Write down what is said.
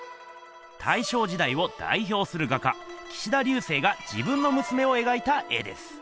大正時代をだいひょうする画家岸田劉生が自分のむすめを描いた絵です。